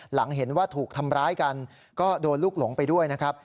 หลังเห็นว่าถูกทำร้ายกันก็โดนลูกหลงไปด้วยนะครับ